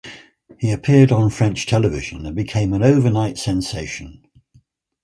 He appeared on French television and became an overnight sensation.